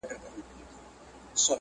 o اوس بيا د ښار په ماځيگر كي جادو.